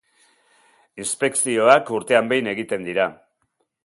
Inspekzioak urtean behin egiten dira.